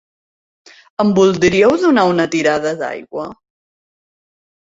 Em voldríeu donar una tirada d'aigua?